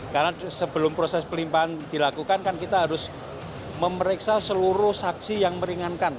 karena sebelum proses pelimpanan dilakukan kan kita harus memeriksa seluruh saksi yang meringankan